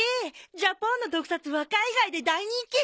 ジャポンの特撮は海外で大人気！